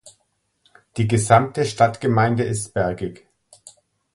Die gesamte Stadtgemeinde ist bergig.